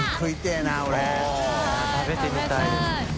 食べてみたいです。